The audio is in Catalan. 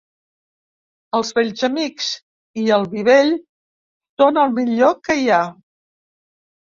Els vells amics i el vi vell són el millor que hi ha.